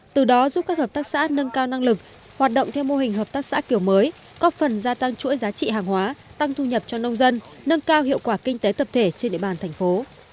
từ đó giúp các hợp tác xã nâng cao năng lực hoạt động theo mô hình hợp tác xã kiểu mới có phần gia tăng chuỗi giá trị hàng hóa tăng thu nhập cho nông dân nâng cao hiệu quả kinh tế tập thể trên địa bàn thành phố